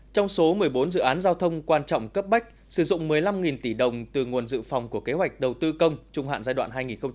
trong số một mươi bốn dự án giao thông quan trọng cấp bách sử dụng một mươi năm tỷ đồng từ nguồn dự phòng của kế hoạch đầu tư công trung hạn giai đoạn hai nghìn một mươi sáu hai nghìn hai mươi